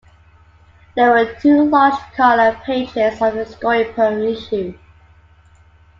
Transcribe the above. There were two large colour pages of his story per issue.